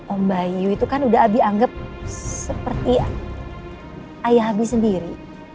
om bayu itu kan udah abi anggap seperti ayah abi sendiri